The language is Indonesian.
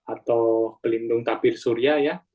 atau pelindung tabir surya ya